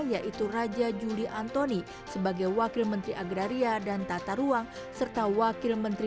yaitu raja juli antoni sebagai wakil menteri agraria dan tata ruang serta wakil menteri